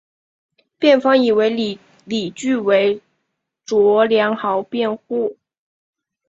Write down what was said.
辩方以为理据为卓良豪辩护。